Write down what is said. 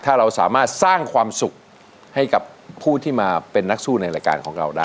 ถ้าเราสามารถสร้างความสุขให้กับผู้ที่มาเป็นนักสู้ในรายการของเราได้